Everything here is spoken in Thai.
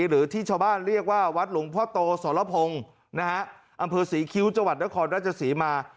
หรือที่ชาวบ้านเรียกว่าวัดหลวงพ่อโตสรพงศ์อำเภอศรีคิ้วจังหวัดนครราชศรีมา